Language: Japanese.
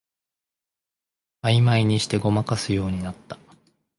あいまいにしてごまかすようになった